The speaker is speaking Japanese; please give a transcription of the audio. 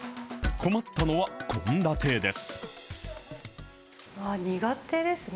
困ったのは、献立です。